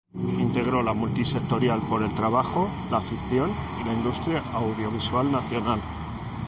Integró la Multisectorial por el Trabajo, la Ficción y la Industria Audiovisual Nacional.